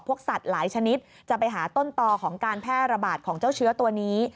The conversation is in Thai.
สัตว์หลายชนิดจะไปหาต้นต่อของการแพร่ระบาดของเจ้าเชื้อตัวนี้